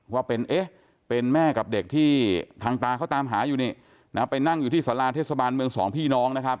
ว่าเป็นเอ๊ะเป็นแม่กับเด็กที่ทางตาเขาตามหาอยู่นี่นะไปนั่งอยู่ที่สาราเทศบาลเมืองสองพี่น้องนะครับ